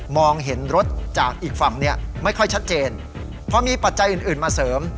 เห็นรถจากอีกฝั่งเนี่ยไม่ค่อยชัดเจนพอมีปัจจัยอื่นอื่นมาเสริม